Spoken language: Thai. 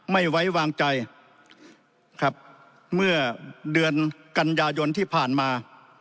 ไม่ไว้วางใจครับเมื่อเดือนกันยายนที่ผ่านมา